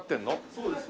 そうですね。